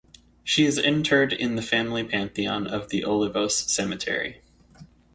She is interred in the family pantheon of the Olivos cemetery.